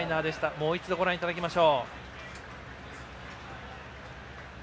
もう一度、ご覧いただきます。